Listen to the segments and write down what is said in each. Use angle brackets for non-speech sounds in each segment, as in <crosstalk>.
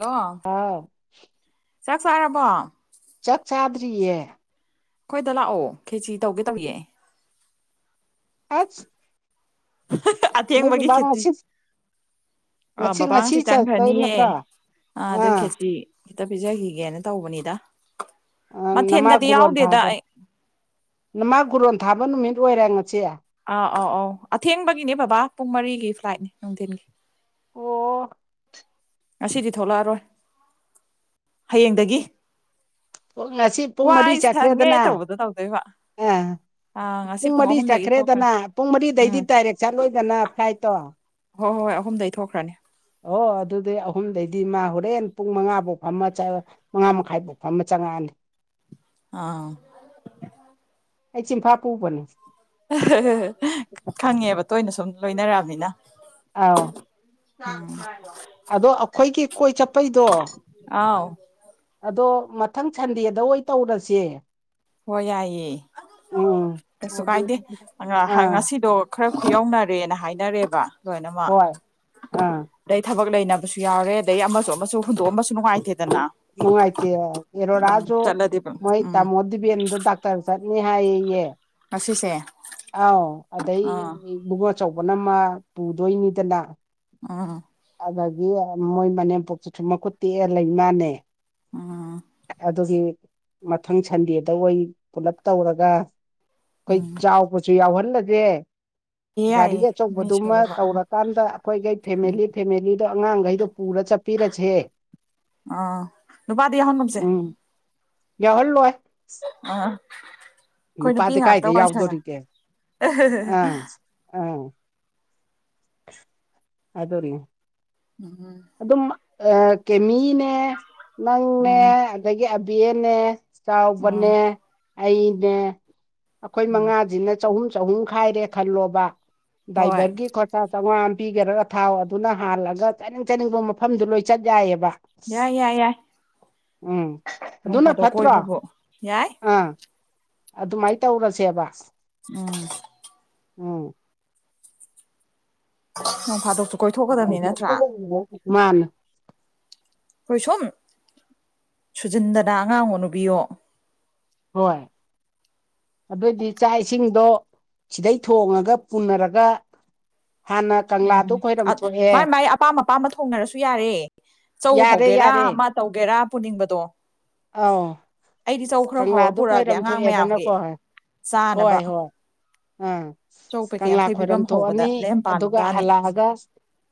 Hello ꯑꯥꯎ ꯆꯥꯛ ꯆꯥꯔꯕꯣ ꯆꯛ ꯆꯗꯔꯤꯌꯦ ꯑꯩꯈꯣꯏꯗ ꯂꯥꯛꯑꯣ ꯈꯦꯆ ꯇꯧꯒꯦ ꯇꯧꯌꯦ ꯑꯆꯁ ꯑꯇ ꯌꯦꯡ ꯃꯥꯒꯤ ꯈꯦꯇꯔꯤ ꯑ ꯕꯕꯥ ꯉꯁꯤ ꯆꯪꯈ꯭ꯔꯅꯤꯑ ꯑ ꯑꯗꯨꯏ ꯑꯥ ꯈꯦꯆ ꯈꯤꯇ ꯄꯤꯖꯈꯤꯒꯦꯅ ꯇꯧꯕꯅꯤꯗ ꯅꯃꯥ ꯃꯊꯦꯜꯒꯗꯤ ꯒꯨꯔꯣꯟ ꯌꯥꯎꯗꯦꯗ ꯊꯥꯕꯅꯤ ꯑꯩ ꯅꯃꯥ ꯒꯨꯔꯣꯟ ꯊꯥꯕ ꯅꯨꯃꯤꯠ ꯑꯣꯏꯔꯦ ꯉꯁꯤꯦ ꯑꯧ ꯑꯧ ꯑꯧ ꯑꯊꯦꯡꯕꯒꯤꯅꯦ ꯕꯕꯥ ꯄꯨꯡ ꯃꯔꯤꯒꯤ ꯐ꯭ꯂꯥꯏꯠꯅꯦ ꯅꯨꯡꯗꯤꯟꯒꯤ ꯑꯣ ꯉꯁꯤꯗꯤ ꯊꯣꯛꯂꯛꯑꯔꯣꯏ ꯍꯌꯦꯡꯗꯒꯤ ꯄꯨꯡ ꯉꯁꯤ ꯄꯨꯡ ꯃꯔꯤ ꯋꯥꯏ ꯁꯪꯉꯦ ꯆꯠꯈ꯭ꯔꯦꯗꯅ ꯇꯧꯕꯗꯣ ꯇꯧꯗꯣꯏꯕ ꯑ ꯑꯥ ꯉꯁꯤ ꯄꯨꯡ ꯃꯔꯤ ꯑꯍꯨꯝꯗꯒꯤ ꯊꯣꯛꯈ꯭ꯔꯅꯤ ꯆꯠꯈ꯭ꯔꯦꯗꯅ ꯄꯨꯡ ꯃꯔꯤꯗꯩꯗꯤ ꯎꯝ ꯗꯥꯏꯔꯦꯛ ꯆꯠꯂꯣꯏꯗꯅ ꯐ꯭ꯂꯥꯏꯠꯇꯣ ꯍꯣꯏ ꯍꯣꯏ ꯍꯣꯏ ꯑꯍꯨꯝꯗꯩ ꯊꯣꯛꯈ꯭ꯔꯅꯤ ꯑꯣ ꯑꯗꯨꯗꯤ ꯑꯍꯨꯝꯗꯩꯗꯤ ꯃꯥ ꯍꯣꯔꯦꯟ ꯄꯨꯡ ꯃꯉꯥꯚꯧ ꯐꯝꯃ ꯆꯠꯂ ꯃꯉꯥ ꯃꯈꯥꯏꯚꯧ ꯐꯝꯃ ꯆ <unintelligible> ꯑꯥ ꯑꯩ ꯆꯤꯝꯐꯥ ꯄꯨꯕꯅꯦ ꯈꯪꯉꯦꯕ ꯇꯣꯏꯅ ꯁꯨꯝ ꯂꯣꯏꯅꯔꯛꯑꯕꯅꯤꯅ ꯑꯥꯎ ꯑꯗꯣ ꯑꯩꯈꯣꯏꯒꯤ ꯀꯣꯏ ꯆꯠꯄꯩꯗꯣ ꯑꯥꯎ ꯑꯗꯣ ꯃꯊꯪ ꯁꯟꯗꯦꯗ ꯑꯣꯏ ꯑꯣꯏꯅ ꯇꯧꯔꯁꯦ ꯍꯣꯏ ꯌꯥꯏꯌꯦꯦ ꯎꯝ ꯀꯩꯁꯨ ꯍꯥꯏꯗꯤ ꯀꯥꯏꯗꯦ ꯑꯥ ꯉꯁꯤꯗꯣ ꯈꯔ ꯌꯧꯅꯔꯦꯅ ꯍꯥꯏꯅꯤ ꯅꯔꯦꯕ ꯂꯣꯏꯅꯃꯛ ꯍꯣꯏ ꯑꯥ ꯑꯗꯩ ꯊꯕꯛ ꯂꯩꯅꯕꯁꯨ ꯌꯥꯎꯔꯦ ꯑꯗꯗꯒꯤ ꯑꯃꯁꯨ ꯑꯃꯁꯨ ꯍꯨꯟꯗꯣꯛꯑꯃꯁꯨ ꯅꯨꯡꯉꯥꯏꯇꯦ ꯍꯅꯨꯡꯥꯏꯇ ꯏꯔꯣ ꯔꯥꯨ ꯆꯠꯂꯗꯤ ꯃꯣꯍꯤ ꯇ ꯎꯝ ꯃ ꯗꯤꯕꯦꯟꯗꯣ ꯗꯥꯛꯇꯔ ꯆꯠꯅꯤ ꯍꯥꯏꯌꯦꯌꯦ ꯉꯁꯤꯁꯦ ꯑꯥꯎ ꯑꯗꯩ ꯑꯥ ꯢꯕꯨꯡꯉꯣ ꯑꯆꯧꯕꯅ ꯑꯃ ꯄꯨꯗꯣꯏꯅꯤꯗꯅ ꯑꯣ ꯑꯗꯒꯤ ꯃꯣꯏ ꯃꯅꯦꯝꯄꯣꯛꯇꯨꯁꯨ ꯃꯈꯨꯠ ꯇꯦꯛꯑꯦ ꯂꯩ ꯃꯥꯟꯅꯦ ꯑꯥ ꯑꯗꯨꯒꯤ ꯃꯊꯪ ꯁꯟꯗꯦꯗ ꯑꯩ ꯄꯨꯂꯞ ꯇꯧꯔꯒ ꯑꯩꯈꯣꯏ ꯎꯝ ꯆꯥꯎꯕ ꯌꯥꯎꯍꯜꯂꯒꯦ ꯒꯥꯔꯤꯒ ꯌꯥꯏꯌꯦ ꯃꯤ ꯑꯆꯧꯕꯗꯨꯃ ꯁꯨꯅꯕ ꯇꯧꯔꯀꯥꯟꯗ ꯑꯩꯈꯣꯏꯈꯩ ꯐꯦꯃꯤꯂꯤ ꯐꯦꯃꯤꯂꯤꯗꯣ ꯑꯉꯥꯡꯒꯩꯗꯣ ꯄꯨꯔ ꯆꯠꯄꯤꯔꯖꯦ ꯑꯥ ꯅꯨꯄꯥꯗꯤ ꯌꯥꯎꯍꯟꯒꯨꯝꯁꯦ ꯎꯝ ꯌꯥꯎꯍꯜꯂꯣꯢ ꯑꯥ ꯑꯩꯈꯣꯏ ꯅꯨꯄꯤ ꯅꯨꯄꯥꯗꯤ ꯉꯥꯛꯇ ꯀꯥꯏꯗꯒꯩ ꯋꯥꯏ ꯁꯪꯉꯦ ꯌꯥꯎꯗꯣꯔꯤꯒꯦ ꯑꯥ ꯑꯥ ꯑꯗꯨꯅꯤ ꯎꯝ ꯀꯦꯃꯤꯅꯦ ꯅꯪꯅꯦ ꯎꯝ ꯑꯗꯒꯤ ꯑꯕꯤꯅꯦ ꯎꯝ ꯆꯥꯎꯕꯅꯦ ꯑꯩꯅꯦ ꯑꯩꯈꯣꯏ ꯎꯝ ꯃꯉꯥꯖꯤꯅ ꯆꯍꯨꯝ ꯆꯍꯨꯝ ꯈꯥꯏꯔꯦ ꯈꯜꯂꯣꯕ ꯍꯣꯏ ꯗ꯭ꯔꯥꯏꯚꯔꯒꯤ ꯈꯣꯔꯁꯥ ꯆꯧꯉꯥ ꯑꯝ ꯄꯤꯒꯔꯒ ꯊꯥꯎ ꯑꯗꯨꯅ ꯍꯥꯜꯂꯒ ꯆꯠꯅꯤꯡ ꯆꯠꯅꯤꯡꯕ ꯃꯐꯝꯗꯨ ꯂꯣꯏ ꯆꯠ ꯌꯥꯏꯑꯕ ꯌꯥꯏ ꯌꯥꯏ ꯌꯥꯏ ꯎꯝ ꯅꯣꯡ ꯑꯗꯨꯅ ꯐꯥꯗꯣꯛ ꯐꯠꯇ꯭ꯔꯣ ꯀꯣꯏꯕꯕꯨ ꯌꯥꯏ ꯑꯥ ꯑꯗꯨꯃꯥꯏꯅ ꯇꯧꯔꯁꯦꯕ ꯎꯝ ꯎꯝ ꯅꯣꯡ ꯐꯥꯗꯣꯛꯁꯨ ꯀꯣꯏꯊꯣꯛꯀꯗꯕꯅꯤ ꯅꯠꯇ꯭ꯔꯥ ꯃꯥꯅꯦ ꯍꯈꯣꯏ ꯁꯣꯨꯝ ꯁꯨꯖꯤꯟꯗꯅ ꯑꯉꯥꯡꯋꯣ ꯅꯨꯕꯤꯋꯣ ꯍꯣꯏ ꯑꯗꯨꯑꯣꯏꯗꯤ ꯆꯥꯛ ꯏꯁꯤꯡꯗꯣ ꯁꯤꯗꯩ ꯊꯣꯡꯉꯒ ꯄꯨꯟꯅꯔꯒ ꯍꯥꯟꯅ ꯀꯪꯂꯥ ꯎꯝ ꯃꯥꯏ ꯃꯥꯏ ꯑꯄꯥꯝ ꯑꯄꯥꯝꯕ ꯊꯣꯡꯅꯔꯁꯨ ꯌꯥꯔꯦ ꯆꯧ ꯌꯥꯔꯦ ꯍꯧꯒꯦꯔꯥ ꯑꯃ ꯇꯧꯒꯦꯔꯥ ꯄꯨꯅꯤꯡꯕꯗꯣ ꯑꯥꯎ ꯑꯩꯗꯤ ꯆꯧ ꯈꯔ ꯍꯧꯔ ꯀꯪꯂꯥꯗꯨ ꯄꯨꯔꯛꯑꯒꯦ ꯈꯣꯏꯔꯝ ꯑꯉꯥꯡ ꯃꯌꯥꯝꯒꯤ ꯊꯣꯛꯑꯦꯗꯅꯀꯣ ꯍꯣꯏ ꯆꯥꯅꯕ ꯍꯣꯏ ꯍꯣꯏ ꯑꯥ ꯆꯧ ꯄꯦꯀꯦꯠ ꯀꯪꯂꯥ ꯌꯥꯡꯈꯩ ꯄꯤꯕ ꯈꯣꯏꯔꯝ ꯑꯃ ꯍꯧꯕꯗ ꯊꯣꯛꯑꯅꯤ ꯂꯦꯝ ꯑꯗꯨꯒ ꯄꯥꯟꯕꯖꯥꯅꯤ ꯍꯜꯂꯛꯑꯒ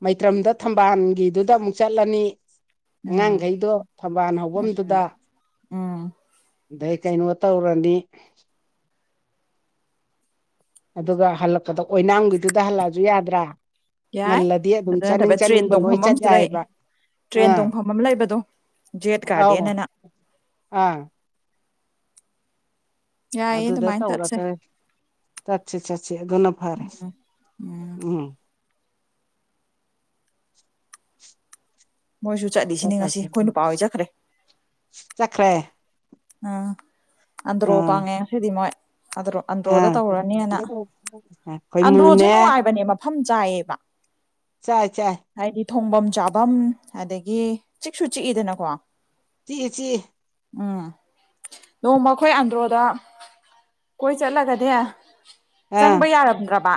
ꯃꯩꯇ꯭ꯔꯝꯗ ꯊꯝꯕꯥꯜꯒꯤꯗꯨꯗ ꯑꯃꯨꯛ ꯆꯠꯂꯅꯤ ꯎꯝ ꯑꯉꯥꯡꯈꯩꯗꯣ ꯊꯝꯕꯥꯜ ꯍꯐꯝꯗꯨꯗ ꯎꯝ ꯑꯗꯩ ꯀꯩꯅꯣ ꯇꯧꯔꯅꯤ ꯑꯗꯨꯒ ꯍꯜꯂꯛꯄꯗ ꯑꯣꯏꯅꯥꯝꯒꯤꯗꯨꯗ ꯍꯜꯂꯛꯑꯁꯨ ꯌꯥꯗ꯭ꯔꯥ ꯌꯥꯏ ꯉꯜꯂꯗꯤ ꯑꯗꯨꯝ ꯑꯗꯨ ꯆꯥꯅꯤꯡ ꯅꯠꯇꯕ ꯇ꯭ꯔꯦꯟ ꯆꯥꯅꯤꯡꯕ ꯂꯣꯏ ꯇꯣꯡꯐꯝ ꯆꯠ ꯑꯃꯁꯨ ꯂꯩ ꯌꯥꯏꯕ ꯇ꯭ꯔꯦꯟ ꯇꯣꯡꯐꯝ ꯑꯃ ꯂꯩꯕꯗꯣ ꯖꯦꯠ ꯒꯥꯔꯗꯦ ꯑꯧ ꯑꯅ ꯑꯥ ꯌꯥꯏꯌꯦ ꯑꯗꯨꯗ ꯑꯗꯨꯃꯥꯏꯅ ꯇꯧꯒ ꯆꯠꯁꯦ ꯇꯔꯦ ꯆꯠꯁꯤ ꯆꯠꯁꯤ ꯑꯗꯨꯅ ꯐꯔꯦ ꯎꯝ ꯃꯣꯏꯁꯨ ꯆꯠꯂꯤꯁꯤꯅꯤ ꯉꯁꯤ ꯆꯠꯂꯁꯤ ꯑꯩꯈꯣꯏ ꯅꯨꯄꯥ ꯍꯣꯏ ꯆꯠꯈ꯭ꯔꯦ ꯆꯠꯈ꯭ꯔꯦ ꯑꯝ ꯑꯟꯗꯔꯣ ꯎꯝ ꯄꯥꯡꯉꯦ ꯉꯁꯤꯗꯤ ꯃꯣꯢ ꯑꯗꯔꯣ ꯑꯟꯗ꯭ꯔꯣꯗ ꯑꯥ ꯇꯧꯔꯅꯤꯅ ꯑꯟꯗ꯭ꯔꯣꯖꯦ ꯈꯣꯏꯃꯨꯅꯦ ꯅꯨꯡꯉꯥꯏꯕꯅꯦ ꯃꯐꯝ ꯆꯥꯏꯌꯦꯕ ꯆꯥꯏ ꯆꯥꯏ ꯊꯣꯡꯚꯝ ꯆꯥꯚꯝ ꯑꯗꯒꯤ ꯆꯤꯛꯁꯨ ꯆꯤꯛꯏꯗꯅꯀꯣ ꯆꯤꯛꯢ ꯆꯤꯛꯢ ꯎꯝ ꯅꯣꯡꯃ ꯑꯩꯈꯣꯏ ꯑꯟꯗ꯭ꯔꯣꯗ ꯀꯣꯏ ꯆꯠꯂꯒꯅꯦ ꯑꯥ ꯆꯪꯕ ꯌꯥꯔꯝꯗ꯭ꯔꯕ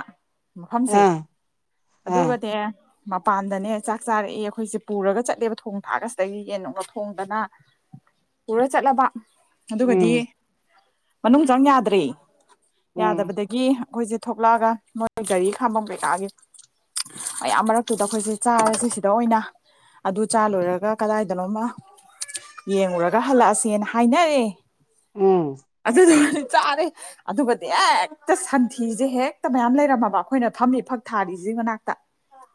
ꯃꯐꯝꯁꯦ ꯑꯥ ꯑꯥ ꯑꯗꯨꯒꯅꯦ ꯃꯄꯥꯟꯗꯅꯦ ꯆꯥꯛ ꯆꯥꯔꯛꯑꯦ ꯑꯩꯈꯣꯏꯁꯦ ꯄꯨꯔꯒ ꯆꯠꯂꯦꯕ ꯊꯣꯡ ꯊꯥꯛꯑꯒ ꯁꯤꯗꯒꯤ ꯌꯦꯟ ꯅꯨꯡꯅ ꯊꯣꯡꯗꯅ ꯄꯨꯔꯣꯏ ꯆꯠꯂꯕ ꯑꯗꯨꯒꯗꯤ ꯎꯝ ꯃꯅꯨꯡ ꯆꯪ ꯌꯥꯗ꯭ꯔꯦ ꯎꯝ ꯌꯥꯗꯕꯗꯒꯤ ꯑꯩꯈꯣꯏꯁꯦ ꯊꯣꯛꯂꯛꯑꯒ ꯃꯣꯏ ꯒꯥꯔꯤ ꯈꯥꯝꯝꯕꯝ ꯀꯩꯀꯥꯒꯦ ꯃꯌꯥꯝ ꯃꯔꯛꯇꯨꯗ ꯑꯩꯈꯣꯏꯁꯦ ꯆꯥꯔꯁꯦ ꯁꯤꯗ ꯑꯣꯏꯅ ꯑꯗꯨ ꯆꯥ ꯂꯣꯏꯔꯒ ꯀꯗꯥꯏꯗꯅꯣꯃ ꯌꯦꯡꯉꯨꯔꯒ ꯍꯜꯂꯛꯑꯁꯦꯅ ꯍꯥꯏꯅꯔꯦ ꯎꯝ ꯑꯗꯨ ꯆꯥꯔꯦ ꯑꯗꯨꯒꯗꯤ ꯍꯦꯛꯇ ꯁꯟꯊꯤꯁꯦ ꯍꯦꯛꯇ ꯃꯌꯥꯝ ꯂꯩꯔꯝꯃꯕ ꯑꯩꯈꯣꯏꯅ ꯐꯝꯃꯤ ꯐꯛ ꯊꯥꯔꯤꯁꯦ ꯃꯅꯥꯛꯇ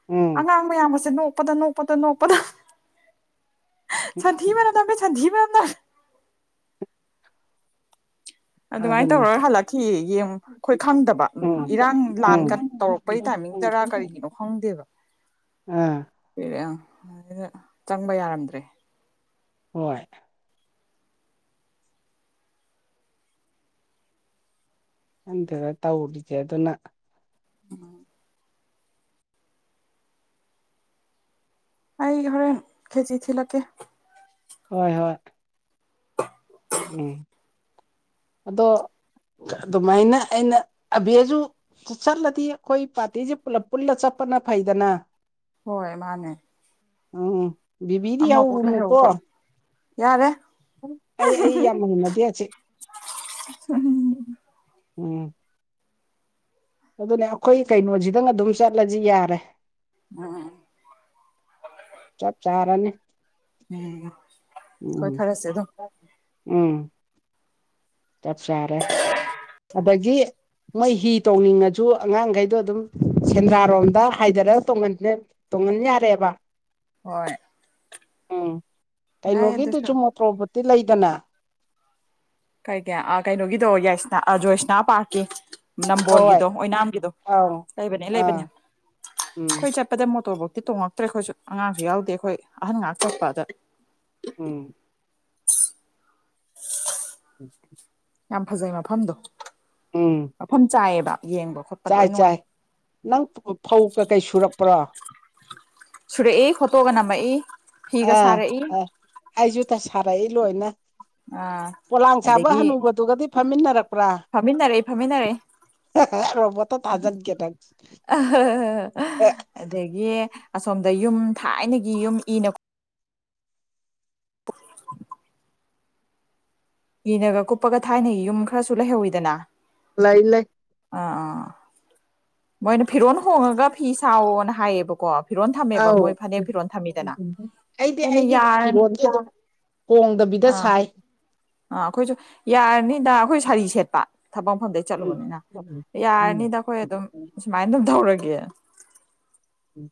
ꯎꯝ ꯑꯉꯥꯡ ꯃꯌꯥꯝ ꯑꯁꯦ ꯅꯣꯛꯄꯗ ꯅꯣꯛꯄꯗ ꯅꯣꯛꯄꯗ ꯁꯊꯤ ꯃꯅꯗ ꯆꯊꯤ ꯃꯅꯗ ꯑꯗꯨꯃꯥꯏꯅ ꯑꯗꯨꯅꯤ ꯇꯧꯔꯒ ꯍꯜꯂꯛꯈꯤꯌꯦ ꯌꯦꯡ ꯑꯩꯈꯣꯏ ꯈꯪꯗꯕ ꯎꯝ ꯏꯔꯥꯡ ꯂꯥꯟ ꯎꯝ ꯀ ꯇꯧꯔꯛꯄꯩ ꯇꯥꯏꯝ ꯇꯔꯥ ꯀꯔꯤꯒꯤꯅꯣ ꯈꯪꯗꯦꯕꯔ ꯑꯥ ꯑꯩꯅ ꯆꯪꯕ ꯌꯥꯔꯝꯗ꯭ꯔꯦ ꯍꯣꯏ ꯍꯟꯗꯗ ꯇꯧꯔꯤꯁꯦ ꯑꯗꯨꯅ ꯎꯝ ꯑꯩ ꯍꯔꯦꯟ ꯈꯦꯖꯤꯤ ꯂ ꯀꯦ ꯍꯣꯏ ꯍꯣꯏ ꯎꯝ ꯑꯗꯣ ꯑꯗꯨꯃꯥꯏꯅ ꯑꯩꯅ ꯑꯕꯦꯖ ꯆꯠꯂꯗꯤ ꯑꯩꯈꯣꯏ ꯄꯥꯔꯇꯁꯤꯦ ꯄꯨꯜꯂ ꯆꯠꯄꯅ ꯐꯩꯗꯅ ꯍꯣꯏ ꯃꯥꯅꯦ ꯎꯝ ꯕꯤꯕꯤꯗꯤ ꯑꯃꯐꯥꯎ ꯂꯩꯍꯧ ꯍꯧꯔꯨꯅꯨꯀꯣ ꯈꯣꯠꯂꯨ ꯌꯥꯔꯦ ꯑꯩ ꯑꯩ ꯌꯥꯝꯃ ꯉꯟꯅꯗꯦꯁꯦ ꯎꯝ ꯎꯝ ꯑꯗꯨꯅꯦ ꯑꯩꯈꯣꯏ ꯀꯩꯅꯣꯁꯤꯗꯪ ꯑꯗꯨꯝ ꯆꯠꯂꯁꯤ ꯌꯥꯔꯦ ꯑꯝ ꯆꯞ ꯆꯥꯔꯅꯤ ꯎꯝ ꯍꯣꯏ ꯎꯝ ꯈꯔꯁꯦ ꯑꯗꯨꯝ ꯎꯝ ꯆꯞ ꯆꯥꯔꯦ ꯑꯗꯒꯤ ꯃꯣꯏ ꯍꯤ ꯇꯣꯡꯅꯤꯡꯉꯁꯨ ꯑꯉꯥꯡꯈꯩꯗꯣ ꯑꯗꯨꯝ ꯁꯦꯟꯗ꯭ꯔꯥꯔꯣꯝꯗ ꯍꯥꯏꯊꯔꯒ ꯇꯣꯡꯍꯟꯦ ꯑꯣꯔꯦꯕ ꯍꯣꯏ ꯎꯝ ꯌꯥꯏ ꯀꯩꯅꯣꯒꯤꯗꯨꯁꯨ ꯑꯗꯨꯁꯨ ꯃꯣꯇ꯭ꯔꯣꯕꯨꯇꯤ ꯂꯩꯗꯅ ꯀꯩ ꯀ ꯀꯩꯅꯣꯒꯤꯗꯣ ꯌꯥꯏꯁꯅꯥ ꯖꯣꯏꯁꯅꯥ ꯄꯥꯔꯛꯀꯤ ꯑꯍꯣꯏ ꯅꯝꯕꯣꯜꯒꯤꯗꯣ ꯑꯣꯏꯅꯥꯝꯒꯤꯗꯣ ꯑꯧ ꯂꯩꯕꯅꯦ ꯑꯥ ꯂꯩꯕꯅꯦ ꯎꯝ ꯑꯩꯈꯣꯏ ꯆꯠꯄꯗ ꯃꯣꯇꯣꯔꯐꯧ ꯇꯣꯡꯉꯛꯇ꯭ꯔꯦ ꯑꯩꯈꯣꯏꯁꯨ ꯑꯉꯥꯡꯁꯨ ꯌꯥꯎꯗꯦ ꯑꯩꯈꯣꯏ ꯑꯍꯟ ꯉꯍꯥꯛ ꯆꯠꯄꯗ ꯎꯝ ꯌꯥꯝ ꯐꯖꯩ ꯃꯐꯝꯗꯣ ꯎꯝ ꯃꯐꯝ ꯆꯥꯏꯌꯦꯕ ꯌꯦꯡꯕ ꯈꯣꯠꯄ ꯆꯥꯏ ꯂꯣꯏ ꯅꯨꯡꯉꯥꯏ ꯆꯥꯏ ꯅꯪ ꯐꯧ ꯀꯩꯀꯩ ꯁꯨꯔꯛꯄ꯭ꯔꯣ ꯁꯤꯨꯔ ꯑꯦ ꯈꯣꯠꯇꯣꯒ ꯅꯃ ꯑꯦ ꯑꯥ ꯑ ꯑꯩꯁꯨꯗ ꯁꯥꯔꯛꯏ ꯂꯣꯏꯅ ꯑꯥ ꯄꯣꯂꯥꯡ ꯁꯥꯕ ꯑꯗꯒꯤ ꯍꯅꯨꯕꯗꯨꯒꯗꯤ ꯐꯝꯃꯤꯟꯅꯔꯛꯄ꯭ꯔꯥ ꯐꯝꯃꯤꯟꯅꯔꯛꯏ ꯐꯝꯃꯤꯟꯅꯔꯛꯏ ꯔ꯭ꯔꯣꯃꯛꯇ ꯊꯥꯖꯥꯟ ꯀꯦ ꯅꯪ ꯑꯗꯒꯤ ꯑꯁꯣꯝꯗ ꯌꯨꯝ ꯊꯥꯏꯅꯒꯤ ꯌꯨꯝ ꯏꯅꯣ <unintelligible> ꯌꯦꯅꯒ ꯀꯨꯞꯄꯒ ꯊꯥꯏꯅꯒꯤ ꯌꯨꯝ ꯈꯔꯁꯨ ꯂꯩꯍꯧꯋꯤꯗꯅ ꯂꯩꯥꯏ ꯂꯩ ꯑꯥ ꯑꯥ ꯃꯣꯏꯅ ꯐꯤꯔꯣꯟ ꯍꯣꯡꯉꯒ ꯐꯤ ꯁꯥꯥꯎꯋꯣꯅ ꯍꯥꯏꯌꯦꯕꯀꯣ ꯐꯤꯔꯣꯜ ꯊꯝꯃꯦꯕ ꯑꯧ ꯃꯣꯏ ꯐꯅꯦꯛ ꯐꯤꯔꯣꯜ ꯊꯝꯃꯤꯗꯅ ꯑꯩꯗꯤ ꯑꯩꯈꯣꯏꯅ ꯑꯩꯒꯤ ꯌꯥꯔꯅꯤ ꯐꯤꯔꯣꯟꯜꯁꯤ ꯀꯣꯡꯗꯕꯤꯗ ꯑꯥ ꯁꯥꯏ ꯑꯥ ꯑꯩꯈꯣꯏꯁꯨ ꯌꯥꯔꯅꯤꯗ ꯑꯩꯈꯣꯏ ꯁꯥꯔꯤ ꯁꯦꯠꯄ ꯊꯕꯛ ꯃꯐꯝꯗꯩ ꯎꯝ ꯆꯠꯂꯨꯕꯅꯤꯅ ꯎꯝ ꯌꯥꯔꯅꯤꯗ ꯑꯩꯈꯣꯏ ꯑꯗꯨꯝ ꯁꯨꯃꯥꯏꯅ ꯑꯗꯨꯝ ꯇꯧꯔꯒꯦ ꯑꯦ꯫ ꯎꯝ꯫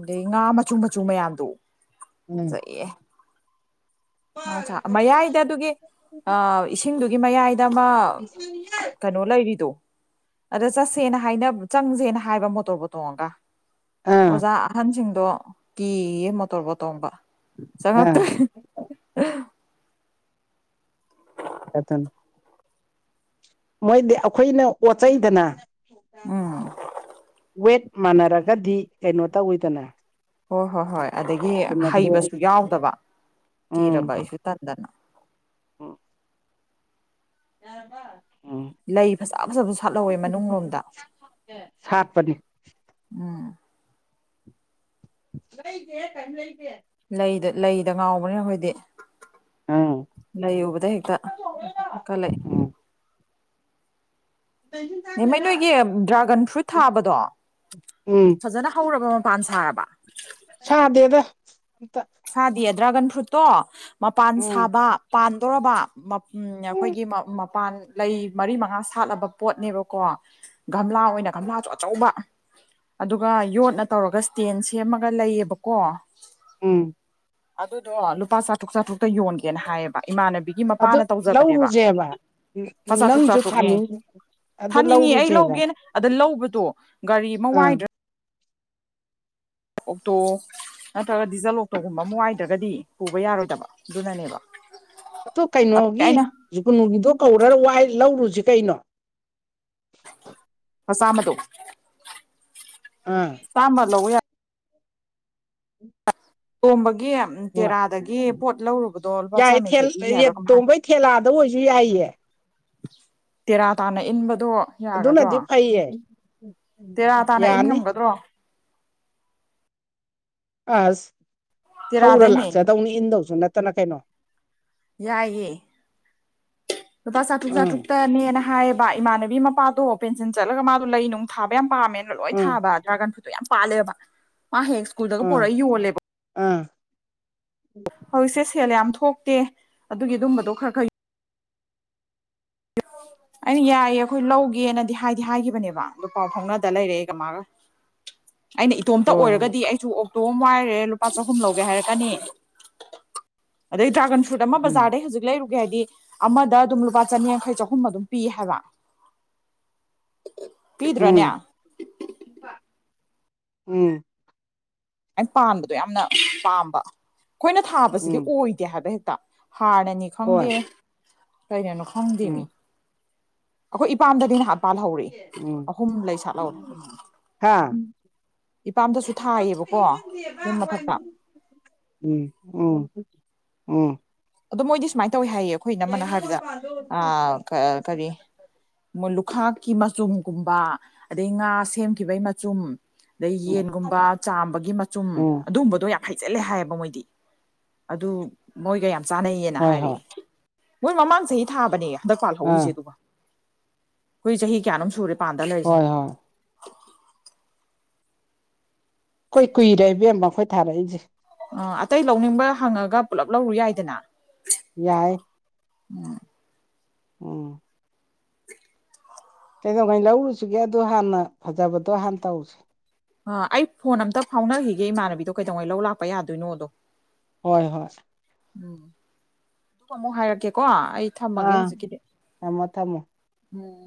ꯑꯗꯩ ꯉꯥ ꯃꯆꯨ ꯃꯆꯨ ꯃꯌꯥꯝꯗꯨ ꯎꯝ ꯐꯖꯩꯌꯦ꯫ ꯑꯥ ꯑꯆꯥ ꯃꯌꯥꯏꯗ ꯑꯗꯨꯒꯤ ꯑ ꯏꯁꯤꯡꯗꯨꯒꯤ ꯃꯌꯥꯏ꯫ ꯗꯑꯃ ꯀꯩꯅꯣ ꯂꯩꯔꯤꯗꯣ꯫ ꯑꯗ ꯆꯠꯁꯦꯅ ꯍꯥꯏꯅꯕ ꯆꯪꯁꯦꯅ ꯍꯥꯏꯕ ꯃꯣꯇꯣꯔꯕꯣꯠ ꯇꯣꯡꯉꯒ꯫ ꯑꯣꯖꯥ ꯑꯍꯟꯁꯤꯡꯗꯣ ꯀꯤꯌꯦ ꯃꯣꯇꯣꯔꯕꯣꯠ ꯇꯣꯡꯕ꯫ ꯆꯉꯛ ꯑꯥ ꯇꯦ꯫ <unintelligible> <unintelligible> ꯃꯣꯏꯗꯤ ꯑꯩꯈꯣꯏꯅ ꯑꯣꯠꯆꯩꯗꯅ ꯎꯝ ꯋꯦꯠ꯫ ꯃꯥꯟꯅꯔꯒꯗꯤ ꯀꯩꯅꯣ ꯇꯧꯋꯤꯗꯅ꯫ ꯍꯣꯏ ꯍꯣꯏ ꯍꯣꯏ ꯑꯗꯒꯤ ꯀꯩꯁꯨ ꯅꯠꯇꯦ ꯍꯩꯕꯁꯨ ꯌꯥꯎꯗꯕ ꯀꯤꯔꯕ ꯑꯩꯁꯨ ꯇꯟꯗꯅ꯫ ꯎꯝ꯫ ꯌꯥꯔꯕ꯫ ꯂꯩ ꯐꯖ ꯐꯖꯕꯁꯨ ꯁꯥꯠꯍꯧꯋꯦ ꯃꯅꯨꯡ ꯂꯣꯝꯗ꯫ ꯁꯥꯠꯄꯅꯤ ꯎꯝ꯫ ꯂꯩꯗꯦ ꯀꯦꯝ ꯂꯩꯗꯦ꯫ ꯂꯩꯗ ꯂꯩꯗ ꯉꯥꯎꯕꯅꯤ ꯑꯩꯈꯣꯏꯗꯤ꯫ ꯎꯝ ꯂꯩ ꯎꯕꯗ ꯍꯦꯛꯇ ꯀꯜꯂꯛꯑꯦ꯫ ꯎꯝ ꯅꯦꯃꯦ ꯅꯣꯏꯒꯤ ꯗ꯭ꯔꯥꯒꯟ ꯐ꯭ꯔꯨꯏꯠ ꯊꯥꯕꯗꯣ ꯎꯝ ꯐꯖꯅ ꯍꯧꯔꯕ꯫ ꯄꯥꯟ ꯁꯥꯔꯕ꯫ ꯁꯥꯗꯦꯗ ꯑꯝꯇ ꯁꯥꯗꯤꯌꯦ ꯗ꯭ꯔꯥꯒꯟ ꯐ꯭ꯔꯨꯠꯇꯣ ꯃꯄꯥꯟ ꯎꯝ ꯁꯥꯕ ꯄꯥꯟꯗꯧꯔꯕ꯫ ꯎꯝ ꯑꯩꯈꯣꯏꯒꯤ ꯃꯃꯄꯥꯟ꯫ ꯂꯩ ꯃꯔꯤ ꯃꯉꯥ ꯁꯥꯠꯂꯕ ꯄꯣꯠꯅꯦꯕꯀꯣ ꯒꯝꯂꯥ ꯑꯣꯏꯅ ꯒꯝꯂꯥꯁꯨ ꯑꯆꯧꯕ꯫ ꯑꯗꯨꯒ ꯌꯣꯠꯅ ꯇꯧꯔꯒ ꯏꯁꯇꯦꯟ ꯁꯦꯝꯃꯒ ꯂꯩꯌꯦꯕꯀꯣ꯫ ꯎꯝ꯫ ꯑꯗꯨꯗꯣ ꯂꯨꯄꯥ ꯆꯥꯇ꯭ꯔꯨꯛ ꯆꯥꯇ꯭ꯔꯨꯛꯇ ꯌꯣꯟꯒꯦꯅ ꯍꯥꯏꯌꯦꯕ꯫ ꯏꯃꯥꯟꯅꯕꯤꯒꯤ ꯑꯗꯨ ꯃꯄꯥꯅ ꯇꯧꯖꯕꯅꯦꯕ ꯂꯧꯔꯨꯁꯦꯕ ꯆꯆꯥꯇ꯭ꯔꯨꯛ ꯅꯪꯁꯨ ꯆꯥꯇ꯭ꯔꯨꯛꯅꯦ꯫ ꯊꯥꯅꯤꯡ ꯑꯗꯨ ꯊꯥꯅꯤꯡꯉꯤ ꯑꯩ ꯂꯧꯔꯨꯁꯦꯕ ꯂꯧꯒꯦꯅ ꯑꯗ ꯂꯧꯕꯗꯣ ꯒꯥꯔꯤ ꯃ ꯑꯥ ꯋꯥꯏꯗ꯭ꯔꯥ꯫ ꯑꯣꯛꯇꯣ꯫ ꯅꯠꯇ꯭ꯔꯒ ꯗꯤꯖꯜ ꯂꯣꯛꯇꯔꯒꯨꯝꯕ ꯑꯃ ꯋꯥꯏꯗ꯭ꯔꯒꯗꯤ ꯄꯨꯕ ꯌꯥꯔꯣꯏꯗꯕ ꯑꯗꯨꯅꯅꯦꯕ꯫ ꯑꯗꯨ ꯑꯗꯨꯒꯤ ꯀꯩꯅꯣꯒꯤ ꯑꯩꯅ ꯖꯨꯒꯨꯅꯨꯒꯤꯗꯣ ꯀꯧꯔꯒ ꯋꯥꯏ ꯂꯧꯔꯨ꯫ ꯖꯤ ꯀꯩꯅꯣ꯫ ꯆꯥꯝꯃꯗꯣ ꯑꯥ ꯆꯥꯝꯃ ꯂꯧꯕ ꯌꯥꯔ꯫ ꯇꯣꯝꯕꯒꯤ ꯍꯣꯏ ꯇꯦꯔꯥꯗꯒꯤ ꯄꯣꯠ ꯂꯧꯔꯨꯕꯗꯣ ꯂꯨꯄꯥ ꯆꯥꯝꯌꯡꯈꯩ ꯄꯤꯒꯤ ꯍꯥꯏꯕꯥ ꯀꯩꯅꯣꯝ ꯍꯥꯏ꯫ ꯑꯗꯨ ꯑꯣꯏꯁꯨ ꯌꯥꯏꯌꯦ꯫ ꯇꯦꯔꯥ ꯇꯥꯅ ꯏꯟꯕꯗꯣ ꯌꯥꯒꯗ꯭ꯔꯣ꯫ ꯑꯗꯨꯅꯗꯤ ꯐꯩꯌꯦ ꯇꯦꯔꯥ ꯇꯥꯅ ꯏꯟ ꯌꯥꯅꯤ ꯉꯝꯒꯗ꯭ꯔꯣ꯫ ꯑꯁ ꯊꯧꯔ ꯇꯦꯔꯥꯗꯩꯅꯦ ꯂꯥꯛꯆꯗꯧꯅꯤ ꯏꯟꯗꯧꯁꯨ ꯅꯠꯇꯅ ꯀꯩꯅꯣ꯫ ꯌꯥꯏꯌꯦ꯫ ꯂꯨꯄꯥ ꯆꯥꯇ꯭ꯔꯨꯛ ꯎꯝ ꯆꯥꯇ꯭ꯔꯨꯛꯇꯅꯦꯅ꯫ ꯍꯥꯏꯌꯦꯕ ꯏꯃꯥꯟꯅꯕꯤ ꯃꯄꯥꯗꯣ ꯄꯦꯟꯁꯤꯟ ꯆꯠꯂꯒ ꯃꯥꯗꯣ ꯂꯩ ꯅꯨꯡ ꯊꯥꯕ ꯌꯥꯝ ꯄꯥꯝꯃꯦ꯫ ꯂꯣꯏ ꯎꯝ ꯊꯥꯕ ꯗ꯭ꯔꯥꯒꯟ ꯐ꯭ꯔꯨꯠꯇꯣ ꯌꯥꯝ ꯄꯥꯜꯂꯦꯕ ꯃꯥ ꯍꯦꯛ ꯁ꯭ꯀꯨꯜꯗꯒ ꯎꯝ ꯄꯨꯔꯒ ꯌꯣꯂꯦꯕ꯫ ꯎꯝ ꯍꯧꯖꯤꯛꯁꯦ ꯁꯦꯜ ꯌꯥꯝ ꯊꯣꯛꯇꯦ ꯑꯗꯨꯒꯤ ꯑꯗꯨꯝꯕꯗꯣ ꯈꯔ ꯈꯔ꯫ <unintelligible> ꯑꯩꯅ ꯌꯥꯏꯌꯦ ꯑꯩꯈꯣꯏ ꯂꯧꯒꯦꯅꯗꯤ ꯍꯥꯏꯗꯤ ꯍꯥꯏꯈꯤꯕꯅꯦꯕ ꯑꯗꯨ ꯄꯥꯎ ꯐꯥꯎꯅꯗ ꯂꯩꯔꯦꯑꯩꯒ ꯃꯥꯒ꯫ ꯑꯩꯅ ꯏꯇꯣꯝꯇ ꯍꯣꯏ ꯍꯣꯏ ꯑꯣꯏꯔꯒꯗꯤ ꯑꯩꯁꯨ꯫ ꯇꯣ ꯋꯥꯏꯔꯦ ꯂꯨꯄꯥ ꯆꯍꯨꯝ ꯂꯧꯒꯦ ꯍꯥꯏꯔꯛꯀꯅꯤ ꯑꯗꯩ ꯗ꯭ꯔꯥꯒꯟ꯫ ꯐꯨ꯭ꯔꯠ ꯑꯃ ꯎꯝ ꯕꯖꯥꯔꯗꯩ ꯍꯧꯖꯤꯛ ꯂꯩꯔꯨꯒꯦ ꯍꯥꯏꯗꯤ ꯑꯃꯗ ꯑꯗꯨꯝ ꯂꯨ꯫ ꯆꯅꯤꯌꯥꯡꯈꯩ ꯆꯍꯨꯝ ꯑꯗꯨꯝ ꯄꯤ ꯍꯥꯏꯕ ꯀꯤꯗ꯭ꯔꯅꯦ ꯎꯝ ꯎꯝ ꯑ ꯄꯥꯟꯕꯗꯣ ꯌꯥꯝꯅ ꯄꯥꯝꯕ ꯑꯩꯈꯣꯏꯅ ꯊꯥꯕꯁꯤꯗꯤ ꯎꯝ ꯑꯣꯏꯗꯦ ꯍꯥꯏꯕ ꯍꯦꯛꯇ ꯍꯥꯔꯅꯅꯤ ꯈꯪꯗꯦ ꯍꯣꯏ ꯀꯩꯅꯅꯣ ꯈꯪꯗꯦꯅꯤ ꯎꯝ ꯑꯩꯈꯣꯏ ꯏꯄꯥꯝꯗꯗꯤ ꯅ ꯄꯥꯜꯍꯧꯔꯛ ꯎꯝ ꯑꯍꯨꯝ ꯂꯩ ꯁꯥꯠꯍꯧ ꯍꯥ ꯏꯄꯥꯝꯗꯁꯨ ꯊꯥꯏꯌꯦꯕꯀꯣ ꯌꯨꯝ ꯃꯊꯛꯇ ꯎꯝ ꯎꯝ ꯎꯝ ꯑꯗ ꯃꯣꯏꯗꯤ ꯇꯧꯏ ꯍꯥꯏꯌꯦ ꯑꯩꯈꯣꯏꯅ ꯑꯃꯅ ꯍꯥꯏꯕꯗ ꯀꯔꯤ ꯃ ꯂꯨꯈꯥꯛ ꯀꯤ ꯃꯆꯨꯝꯒꯨꯝꯕ ꯑꯗꯩ ꯉꯥ ꯁꯦꯝꯈꯤꯕꯒꯤ ꯃꯆꯨꯝ ꯑꯗꯩ ꯌꯦꯟꯒꯨꯝꯕ ꯆꯥꯝꯕꯒꯤ ꯃꯆꯨꯝ ꯎꯝ ꯑꯗꯨꯝꯕꯗꯣ ꯌꯥꯝ ꯍꯩꯖꯤꯜꯂꯦ ꯍꯥꯏꯌꯦꯕ ꯃꯣꯏꯗꯤ ꯑꯗꯨ ꯃꯣꯏꯒ ꯌꯥꯝ ꯆꯥꯟꯅꯩꯌꯦꯅ ꯍꯣꯏ ꯍꯣꯏ ꯍꯥꯏꯔꯛꯑꯦ ꯃꯣꯏ ꯃꯃꯥꯡ ꯆꯍꯤ ꯊꯥꯕꯅꯦ ꯍꯟꯗꯛ ꯄꯥꯜꯍꯧꯔꯤꯁꯦ ꯑꯥ ꯑꯗꯨꯒ ꯑꯩꯈꯣꯏ ꯆꯍꯤ ꯀꯌꯥꯅꯣꯝ ꯁꯨꯔꯦꯅ ꯄꯥꯟꯗ ꯂꯣꯏꯁꯤ ꯍꯣꯏ ꯍꯣꯏ ꯀꯨꯏ ꯀꯨꯏꯔꯦ ꯏꯕꯦꯝꯕ ꯑꯩꯈꯣꯏ ꯊꯥꯔꯛꯏꯁꯦ ꯑ ꯑꯇꯩ ꯂꯧꯅꯤꯡꯕ ꯍꯪꯉꯒ ꯄꯨꯂꯞ ꯂꯧꯔꯨ ꯌꯥꯏꯗꯅ ꯌꯥꯏ ꯎꯝ ꯑꯣ ꯀꯩꯩꯅꯧꯉꯩ ꯂꯧꯔꯨꯁꯤꯒꯦ ꯑꯗꯨꯗ ꯍꯥꯟꯅ ꯐꯖꯕꯗꯣ ꯍꯥꯟꯅ ꯇꯧꯔꯨꯁꯤꯦ ꯑ ꯑꯩ ꯐꯣꯟ ꯑꯝꯇ ꯐꯥꯎꯅꯈꯤꯒꯦ ꯏꯃꯥꯟꯅꯕꯤꯗꯣ ꯀꯩꯗꯧꯉꯩ ꯂꯧ ꯂꯥꯛꯄ ꯌꯥꯗꯣꯏꯅꯣꯗꯣ ꯍꯣꯏ ꯍꯣꯏ ꯎꯝ ꯑꯗꯨꯒ ꯑꯃꯨꯛ ꯍꯥꯏꯔꯛꯀꯦꯀꯣ ꯑꯩ ꯊꯝꯃꯒꯦ ꯑꯥ ꯍꯧꯖꯤꯛꯀꯤꯗꯤ ꯊꯝꯃꯣ ꯊꯝꯃꯣ ꯎꯝ